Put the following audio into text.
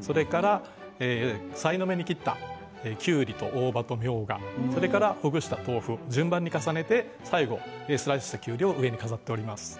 それから、さいの目に切ったきゅうりと大葉と、みょうがそれからほぐした豆腐を順番に重ねて、最後スライスしたきゅうり、みょうがを飾っています。